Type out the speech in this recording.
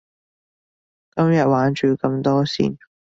今日玩住咁多先